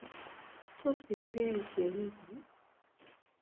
Tos kikergei ichegei biik?